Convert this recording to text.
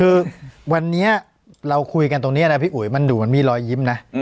คือวันนี้เราคุยกันตรงนี้นะพี่อุ๋ยมันดูเหมือนมีรอยยิ้มนะ